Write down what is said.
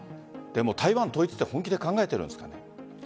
でも台湾統一を本気で考えているんですかね？